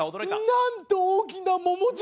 「なんと大きな桃じゃ！」。